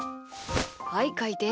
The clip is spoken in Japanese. はいかいて。